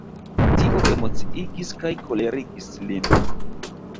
Tio emociigis kaj kolerigis lin.